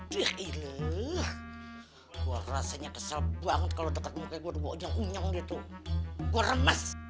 dih ini gue rasanya kesel banget kalau dekat mukanya gue udah bawa nyang unyang gitu gue remes